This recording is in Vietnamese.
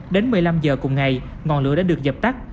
đến một mươi năm h cùng ngày ngọn lửa đã được dập tắt